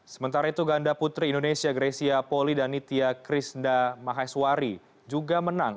sementara itu ganda putri indonesia grecia poli danitia krishna maheswari juga menang